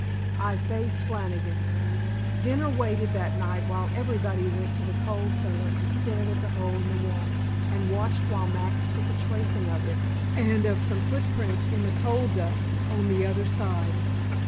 I FACE FLANNIGAN Dinner waited that night while everybody went to the coal cellar and stared at the hole in the wall, and watched while Max took a tracing of it and of some footprints in the coal dust on the other side.